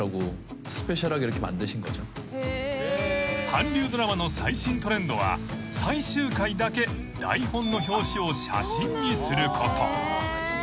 ［韓流ドラマの最新トレンドは最終回だけ台本の表紙を写真にすること］